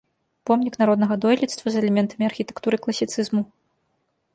Помнік народнага дойлідства з элементамі архітэктуры класіцызму.